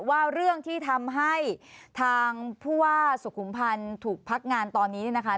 ว่าเรื่องที่ทำให้ทางผู้ว่าสุขุมพันธ์ถูกพักงานตอนนี้เนี่ยนะคะ